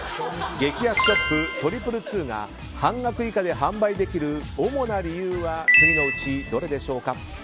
激安ショップ２２２が半額以下で販売できる主な理由は次のうちどれでしょうか。